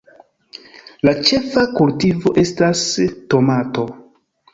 La ĉefa kultivo estas tomato.